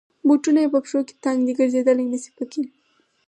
بوټونه یې په پښو کې تنګ دی. ګرځېدای نشی پکې.